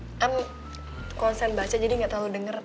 i'm constant baca jadi gak terlalu denger tadi